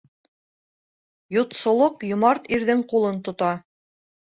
Йотсолоҡ йомарт ирҙең ҡулын тота.